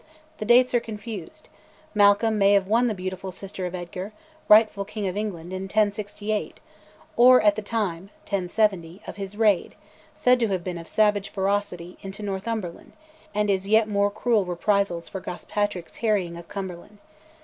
The dates are confused: Malcolm may have won the beautiful sister of Edgar, rightful king of England, in 1068, or at the time (1070) of his raid, said to have been of savage ferocity, into Northumberland, and his yet more cruel reprisals for Gospatric's harrying of Cumberland.